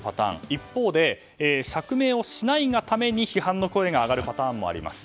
一方で釈明をしないがために批判の声が上がるパターンもあります。